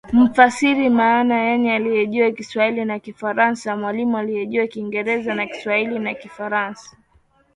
mfasiri maana yeye alijua Kiswahili na Kifaransa Mwalimu alijua Kiingereza na Kiswahili na kifaransa